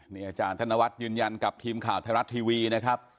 นี่อาจารย์ธนวัฒน์ยืนยันกับทีมข่าวไทยรัฐทีวีนะครับ